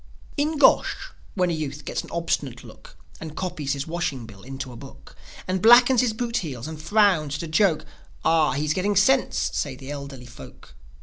In Gosh, when a youth gets an obstinate look, And copies his washing bill into a book, And blackens his boot heels, and frowns at a joke, "Ah, he's getting sense," say the elderly folk.